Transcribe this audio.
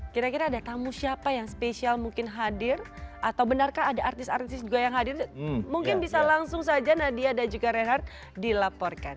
kira kira ada tamu siapa yang spesial mungkin hadir atau benarkah ada artis artis juga yang hadir mungkin bisa langsung saja nadia dan juga reinhardt dilaporkan